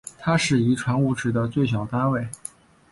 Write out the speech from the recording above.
它是遗传物质的最小单位。